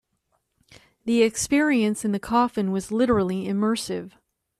The experience in the coffin was literally immersive.